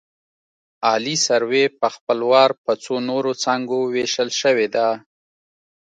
عالي سروې په خپل وار په څو نورو څانګو ویشل شوې ده